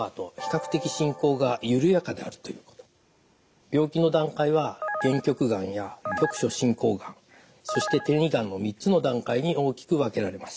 特徴としては病気の段階は限局がんや局所進行がんそして転移がんの３つの段階に大きく分けられます。